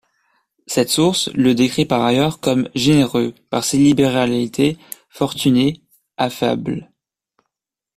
Cette source le décrit par ailleurs comme généreux par ses libéralités, fortuné, affable.